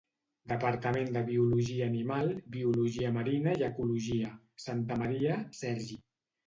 Departament de Biologia Animal, Biologia Marina i Ecologia; Santamaria, Sergi.